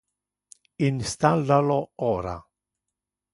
Installa lo ora.